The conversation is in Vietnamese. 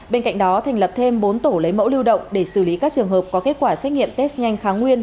bên cạnh đó thành lập thêm bốn tổ lấy mẫu lưu động để xử lý các trường hợp có kết quả xét nghiệm test nhanh kháng nguyên